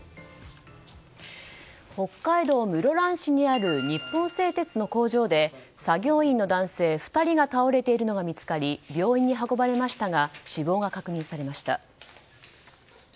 北海道室蘭市にある日本製鉄の工場で作業員の男性２人が倒れているのが見つかり病院に運ばれましたが死亡が確認されました。